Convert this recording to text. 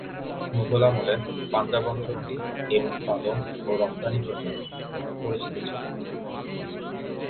মুঘল আমলে পাঞ্জাব অঞ্চলটি এর উৎপাদন এবং রফতানির জন্য পরিচিত ছিল।